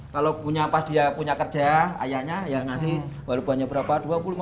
kalau pas dia punya kerja ayahnya ayah ngasih baru bayarnya berapa dua puluh lima puluh empat puluh empat puluh